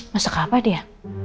masak apa dia